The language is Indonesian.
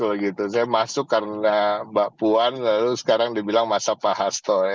saya masuk karena mbak puan lalu sekarang dibilang mazhab pak hasto